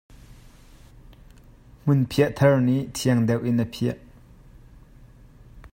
Hmunphiah thar nih thiang deuh in a phiah.